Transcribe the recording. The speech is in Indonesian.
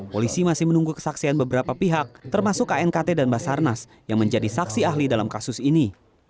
polisi masih menunggu kesaksian beberapa pihak termasuk knkt dan basarnas yang menjadi saksi ahli dalam kasus ini